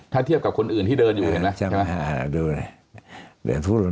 ถ้าเทียบกับคนอื่นที่เดินอยู่เห็นไหม